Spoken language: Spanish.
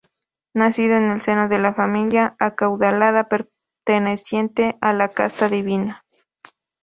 Nacido en el seno de una familia acaudalada perteneciente a la casta divina.